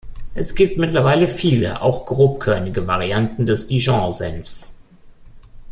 Es gibt mittlerweile viele, auch grobkörnige Varianten des Dijon-Senfs.